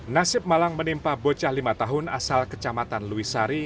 nasib malang menimpa bocah lima tahun asal kecamatan luisari